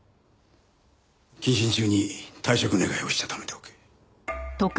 謹慎中に退職願をしたためておけ。